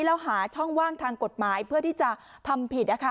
แล้วหาช่องว่างทางกฎหมายเพื่อที่จะทำผิดนะคะ